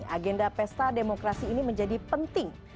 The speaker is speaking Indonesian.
agenda pesta demokrasi ini menjadi penting